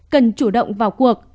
cần chủ động vào cuộc